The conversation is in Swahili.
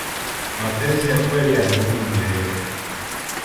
mapenzi ya kweli yanadumu milele